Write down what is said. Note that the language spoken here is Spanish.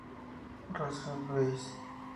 Rosenfeld, Louis.